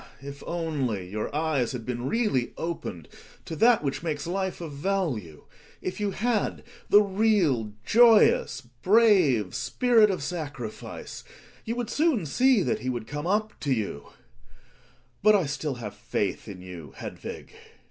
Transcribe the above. If only your eyes had been really opened to that which makes life of value — if you had the real, joyous, brave spirit of sacrifice you would soon see that he would come up to you But I still have faiths in you, Hedvig.